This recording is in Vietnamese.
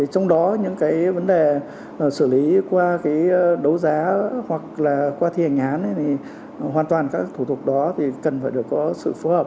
trong đó những vấn đề xử lý qua đấu giá hoặc là qua thi hành án hoàn toàn các thủ thuật đó cần phải có sự phù hợp